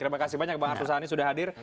terima kasih banyak bang arsul sani sudah hadir